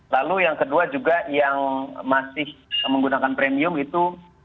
lalu yang kedua juga yang masih menggunakan premium itu